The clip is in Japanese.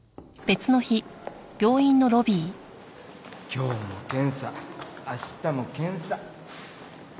今日も検査明日も検査。